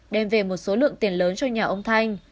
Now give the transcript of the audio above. đem về một số lượng tiền lớn cho nhà ông thanh